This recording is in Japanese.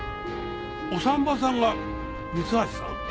お産婆さんが三橋さん？